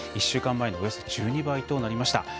１週間前のおよそ１２倍となりました。